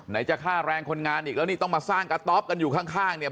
จะค่าแรงคนงานอีกแล้วนี่ต้องมาสร้างกระต๊อปกันอยู่ข้างเนี่ย